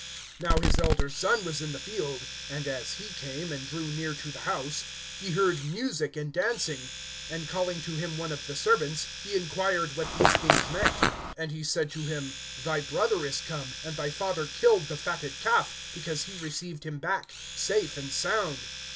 (25)Now his elder son was in the field. And as he came, and drew near to the house, he heard music and dancing. (26)And calling to him one of the servants, he inquired what these things meant. (27)And he said to him: Thy brother is come; and thy father killed the fatted calf, because he received him back, safe and sound.